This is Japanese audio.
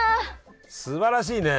すばらしいね。